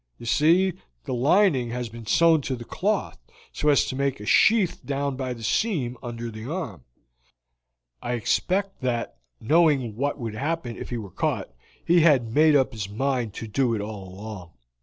You see, the lining has been sewn to the cloth, so as to make a sheath down by the seam under the arm. I expect that, knowing what would happen if he were caught, he had made up his mind to do it all along.